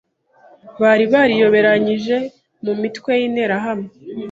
bari bariyoberanyije mu mitwe y'Interahamwe